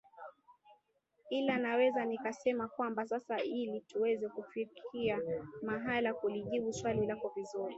ila naweza nikasema kwamba sasa ili tuweza kufikia mahala kulijibu swali lako vizuri